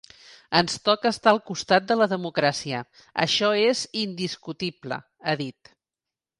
Ens toca estar al costat de la democràcia, això és indiscutible, ha dit.